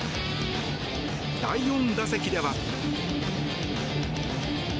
第４打席では。